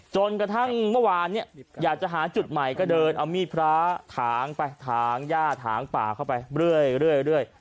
จนกระทั่งเมื่อวานเนี่ยอยากจะหาจุดใหม่ก็เดินเอามีดพระถางไปถางย่าถางป่าเข้าไปเรื่อย